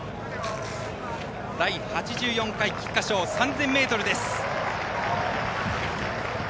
第８４回菊花賞、３０００ｍです。